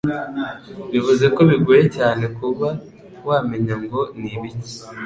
Bivuze ko bigoye cyane kuba wamenya ngo nibiki